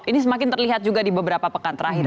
ini semakin terlihat juga di beberapa pekan terakhir